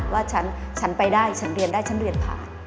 ว่าฉันไปได้ฉันเรียนได้ฉันเรียนผ่าน